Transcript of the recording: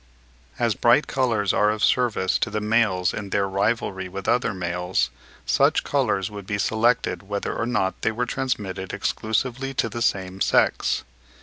As bright colours are of service to the males in their rivalry with other males, such colours would be selected whether or not they were transmitted exclusively to the same sex.